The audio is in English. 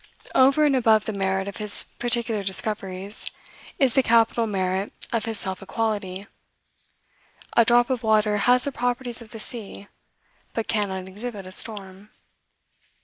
Over and above the merit of his particular discoveries, is the capital merit of his self equality. A drop of water has the properties of the sea, but cannot exhibit a storm.